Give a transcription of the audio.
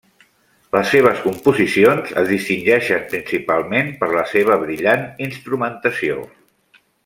Les seves composicions es distingeixen principalment per la seva brillant instrumentació.